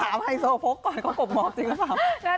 ถามให้โซ่พกก่อนเขากรบงอกจริงหรือเปล่า